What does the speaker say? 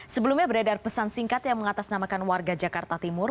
sebelumnya beredar pesan singkat yang mengatasnamakan warga jakarta timur